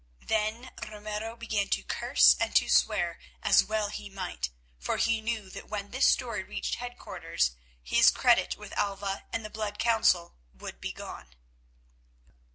Then Ramiro began to curse and to swear, as well he might, for he knew that when this story reached headquarters, his credit with Alva and the Blood Council would be gone.